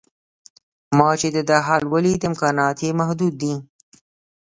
ما چې د ده حال ولید امکانات یې محدود دي.